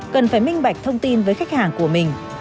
cần phải minh bạch thông tin với khách hàng của mình